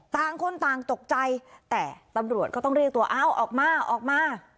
ต่างคนต่างตกใจแต่ตำรวจก็ต้องเรียกตัวอ้าวออกมาออกมา